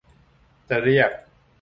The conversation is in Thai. จะเรียก